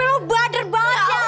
jejen lo bader banget ya allah